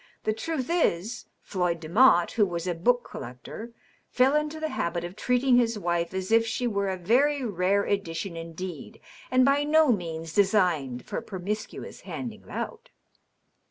The truth is, Floyd Demotte, who was a book collector, fell into the habit of treating his wife as if she were a very rare edition indeed and by no means designed for promiscuous handing about."